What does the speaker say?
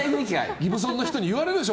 ギブソンの人に言われるでしょ。